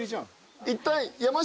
いったん。